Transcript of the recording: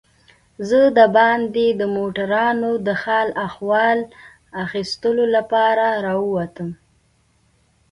زه دباندې د موټرانو د حال و احوال اخیستو لپاره راووتم.